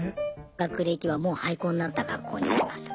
学歴はもう廃校になった学校にしてました。